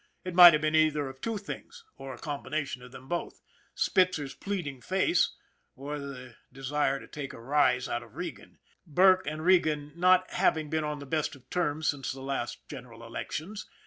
It might have been either of two things, or a combination of them both Spitzer's pleading face, or the desire to take a rise out of Regan Burke and Regan not having been on the best of terms since the last general elections.